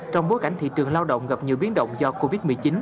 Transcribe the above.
trong bối cảnh thị trường lao động gặp nhiều biến động do covid một mươi chín